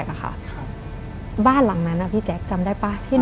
ทำไมเขาถึงจะมาอยู่ที่นั่น